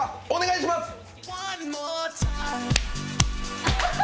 お願いします！